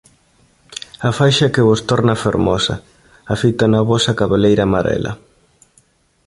A faixa que vos torna fermosa, a fita na vosa cabeleira marela